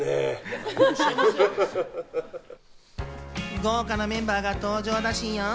豪華なメンバーが登場だしんよ。